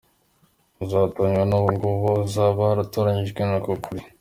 Uzatoranywa ni uwo nguwo uzaba watoranyijwe, ni ko kuri.